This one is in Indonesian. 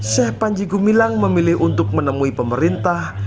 sheikh panji gumilang memilih untuk menemui pemerintah